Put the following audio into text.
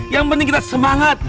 yang penting kita semangat